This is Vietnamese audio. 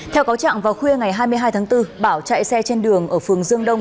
theo cáo trạng vào khuya ngày hai mươi hai tháng bốn bảo chạy xe trên đường ở phường dương đông